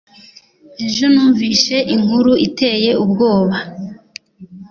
Ejo numvise inkuru iteye ubwoba